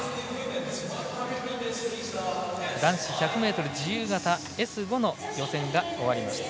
男子１００ｍ自由形Ｓ５の予選が終わりました。